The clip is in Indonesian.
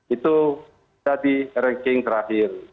itu jadi ranking terakhir